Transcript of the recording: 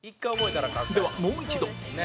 ではもう一度